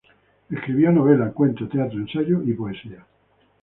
Escribió novela, cuento, teatro, ensayo y poesía.